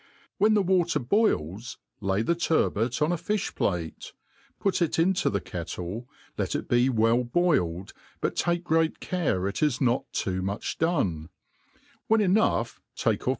When the water boils, lay the turbot on a fifh plate, put it in ? to the kettle, let it be weil boiled, but take great care it is not too much done J when enough take ofi^.